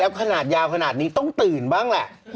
ขนาดยาวขนาดนี้ต้องตื่นบ้างแหละ